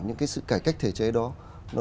những sự cải cách thể chế đó